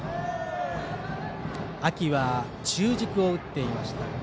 秋は中軸を打っていました。